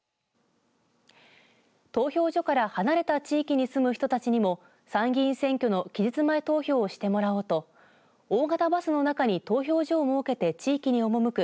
投票所から離れた地域に住む人たちにも参議院選挙の期日前投票をしてもらおうと大型バスの中に投票所を設けて地域に赴く